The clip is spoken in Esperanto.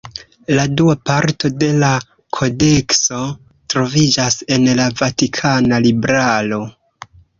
La dua parto de la kodekso troviĝas en la Vatikana libraro.